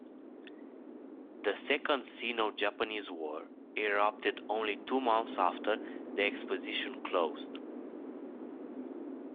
The Second Sino-Japanese War erupted only two months after the Exposition closed.